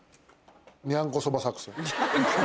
にゃんこそば作戦。